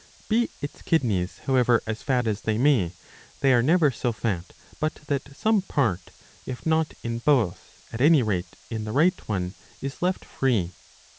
Be its kidneys however as fat as they may, they are never so fat but that some part, if not in both at any rate .in the right one, is left free.'